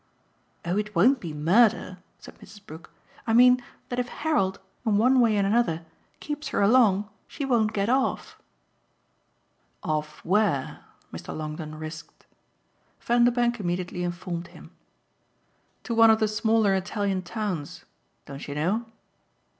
"Oh it won't be murder," said Mrs. Brook. "I mean that if Harold, in one way and another, keeps her along, she won't get off." "Off where?" Mr. Longdon risked. Vanderbank immediately informed him. "To one of the smaller Italian towns. Don't you know?"